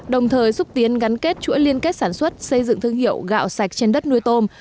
đồng thời xúc tiến gắn kết chuỗi liên kết sản xuất xây dựng thương hiệu gạo sạch trên đất nuôi tôm